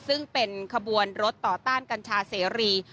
ซึ่งเป็นขบวนรถต่อต้านกัญชาเสรี